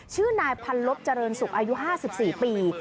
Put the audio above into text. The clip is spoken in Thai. ชื่อนายพรรภเจริญสุขอายุ๕๔ปี